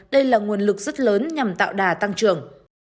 đây là nguồn lực rất lớn nhằm tạo đà tăng trưởng